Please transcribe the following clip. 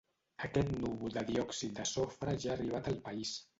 Aquest núvol de diòxid de sofre ja ha arribat al país.